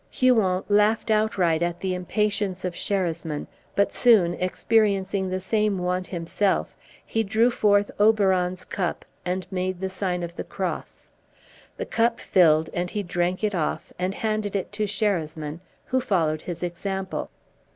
Huon laughed outright at the impatience of Sherasmin, but soon, experiencing the same want himself, he drew forth Oberon's cup and made the sign of the cross. The cup filled and he drank it off, and handed it to Sherasmin, who followed his example.